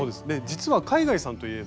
実は海外さんといえば。